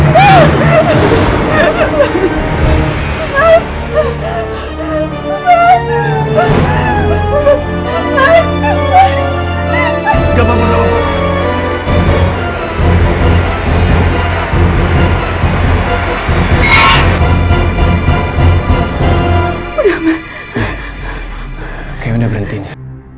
sampai jumpa di video selanjutnya